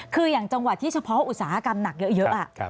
คืออย่างจังหวัดที่เฉพาะอุตสาหกรรมหนักเยอะ